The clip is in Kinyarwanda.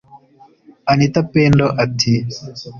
Anita Pendo ati